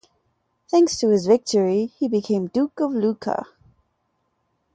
Thanks to his victory, he became duke of Lucca.